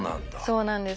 そうなんです。